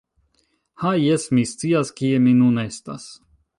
Ha, jes! Mi scias kie mi nun estas.